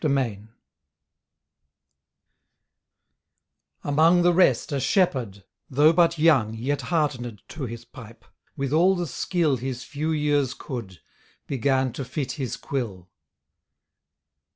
EPISTLES "Among the rest a shepheard (though but young Yet hartned to his pipe) with all the skill His few yeeres could, began to fit his quill."